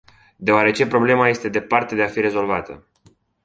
Deoarece problema este departe de a fi rezolvată.